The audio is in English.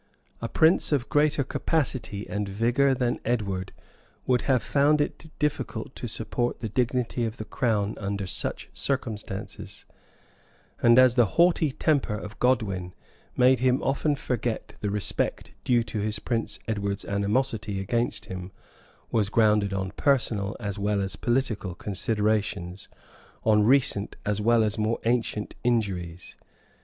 A prince of greater capacity and vigor than Edward would have found it difficult to support the dignity of the crown under such circumstances; and as the haughty temper of Godwin made him often forget the respect due to his prince Edward's animosity against him was grounded on personal as well as political considerations, on recent as well as more ancient injuries.